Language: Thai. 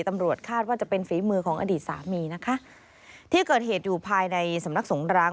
ตำรวจคาดว่าจะเป็นฝีมือของอดีตสามีนะคะที่เกิดเหตุอยู่ภายในสำนักสงร้าง